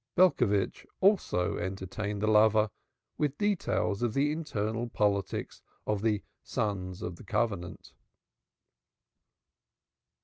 Belcovitch also entertained the lover with details of the internal politics of the "Sons of the Covenant."